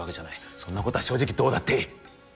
そんなことは正直どうだっていい。